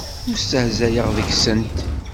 Ur stehzayeɣ deg-sent.